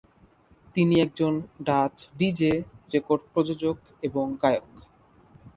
তিনি একজন Dutch DJ, record প্রযোজক এবং গায়ক।